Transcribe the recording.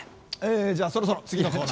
え、じゃあ、そろそろ次のコーナー。